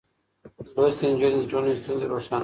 لوستې نجونې د ټولنې ستونزې روښانه کوي.